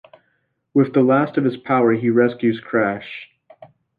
With the last of his power, he rescues Crash.